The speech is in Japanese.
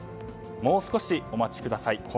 もう少し、お待ちください。